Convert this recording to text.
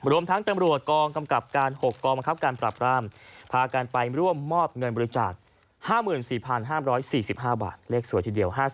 รวมทั้งตำรวจกองกำกับการ๖กองบังคับการปรับรามพากันไปร่วมมอบเงินบริจาค๕๔๕๔๕บาทเลขสวยทีเดียว